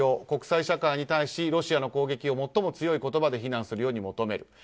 国際社会に対しロシアの攻撃を最も強い言葉で非難するように求める。